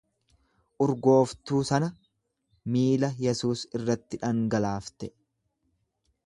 Urgooftuu sana miilla Yesuus irratti dhangalaafte.